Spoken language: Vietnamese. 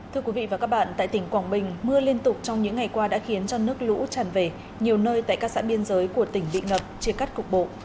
thưa quý vị và các bạn tại tỉnh quảng bình mưa liên tục trong những ngày qua đã khiến cho nước lũ tràn về nhiều nơi tại các xã biên giới của tỉnh bị ngập chia cắt cục bộ